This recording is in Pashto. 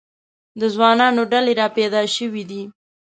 د ځوانانو ډلې را پیدا شوې.